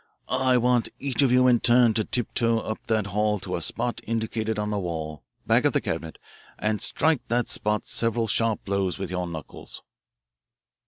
I want each of you in turn to tiptoe up that hall to a spot indicated on the wall, back of the cabinet, and strike that spot several sharp blows with your knuckles."